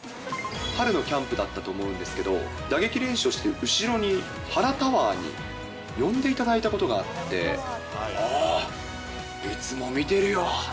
春のキャンプだったと思うんですけど、打撃練習して、後ろに、原タワーに呼んでいただいたことがあって、あー、いつも見てるよ。